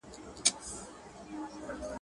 د زمان په لاس کي اوړمه زمولېږم.